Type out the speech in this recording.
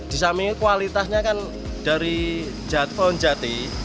di samping kualitasnya kan dari pohon jati